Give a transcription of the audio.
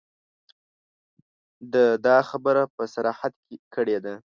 ده دا خبره په صراحت کړې ده.